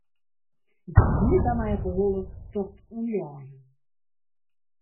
Gjin hier by my op 'e holle tocht oan jeien.